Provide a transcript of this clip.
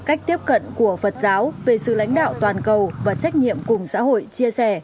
cách tiếp cận của phật giáo về sự lãnh đạo toàn cầu và trách nhiệm cùng xã hội chia sẻ